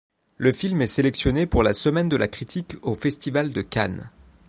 Le film est sélectionné pour la Semaine de la critique au Festival de Cannes.